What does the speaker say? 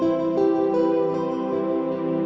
สวัสดีครับ